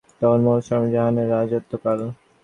তখন মোগল সম্রাট শাজাহানের রাজত্বকাল।